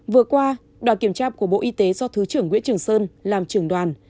vừa qua đoàn kiểm tra của bộ y tế do thứ trưởng nguyễn trường sơn làm trưởng đoàn